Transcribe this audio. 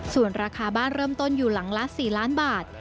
ส่วนราคาบ้านเริ่มต้นอยู่หลังละ๔ล้านบาท